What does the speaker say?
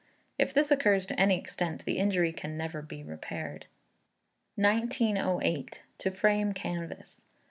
If this occurs to any extent, the injury can never be repaired. 1908. To Frame Canvas.